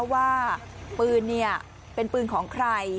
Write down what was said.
ว่าปืนเนี้ยเป็นปืนของใคร